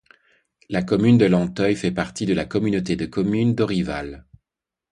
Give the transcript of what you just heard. La commune de Lantheuil fait partie de la communauté de communes d'Orival.